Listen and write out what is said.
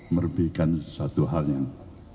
merugikan satu hal yang